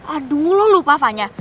aduh lo lupa fanya